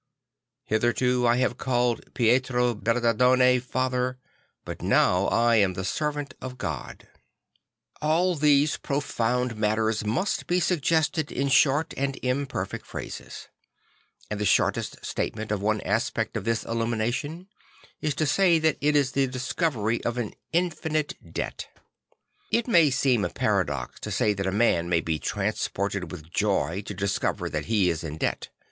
II Hitherto I have called Pietro Bemardone father; but now I am the servant of God," All these profound matters must be suggested in short and imperfect phrases; and the shortest statement of one aspect of this illumination is to say that it is the discovery of an infinite debt. It may seem a paradox to say that a man may be transported with joy to discover that he is in debt.